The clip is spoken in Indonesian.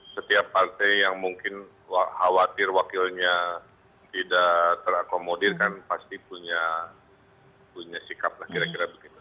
setiap partai yang mungkin khawatir wakilnya tidak terakomodir kan pasti punya sikap lah kira kira begitu